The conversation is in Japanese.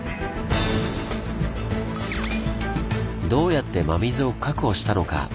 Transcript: どうやって真水を確保したのか？